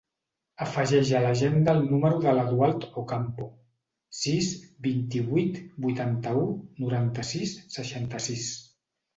Afegeix a l'agenda el número de l'Eudald Ocampo: sis, vint-i-vuit, vuitanta-u, noranta-sis, seixanta-sis.